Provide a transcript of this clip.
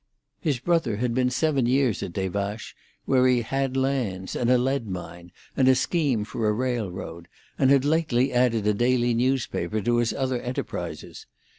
His brother had been seven years at Des Vaches, where he had lands, and a lead mine, and a scheme for a railroad, and had lately added a daily newspaper to his other enterprises.